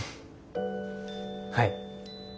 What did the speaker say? はい。